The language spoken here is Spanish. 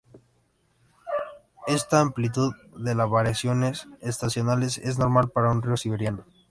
Esta amplitud de la variaciones estacionales es normal para un río siberiano.